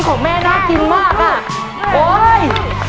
ของแม่น่ากินมากน่ะโอ๊ย